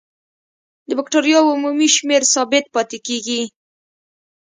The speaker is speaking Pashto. د بکټریاوو عمومي شمېر ثابت پاتې کیږي.